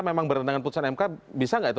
memang bertentangan putusan mk bisa nggak itu